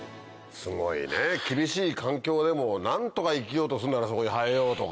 すごいね厳しい環境でも何とか生きようとすんだからそこに生えようとか。